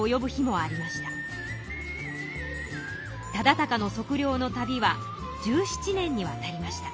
忠敬の測量の旅は１７年にわたりました。